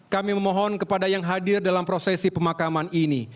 kami memohon kepada yang hadir dalam prosesi pemakaman ini